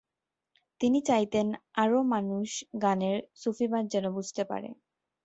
তিনি চাইতেন আরও মানুষ গানের সুফিবাদ যেন বুঝতে পারে।